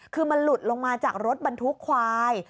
คือมันหลุดลงมาจากรถบรรทุกควาย